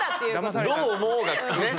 どう思おうがね